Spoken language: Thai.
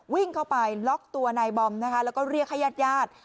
วิ่งเข้าไปล็อกตัวนายบอมนะคะแล้วก็เรียกให้ญาติญาติ